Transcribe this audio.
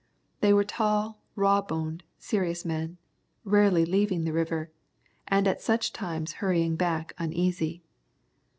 They were tall, raw boned, serious men, rarely leaving the river, and at such times hurrying back uneasy.